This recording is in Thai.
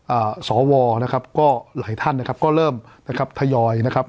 อ่าสวนะครับก็หลายท่านนะครับก็เริ่มนะครับทยอยนะครับ